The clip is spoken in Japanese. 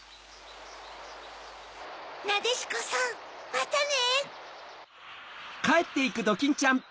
なでしこさんまたね！